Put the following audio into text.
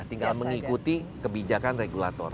tinggal mengikuti kebijakan regulator